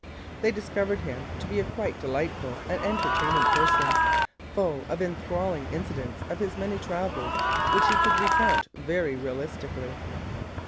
They discovered him to be a quite delightful and entertaining person, full of enthralling incidents of his many travels which he could recount very realistically.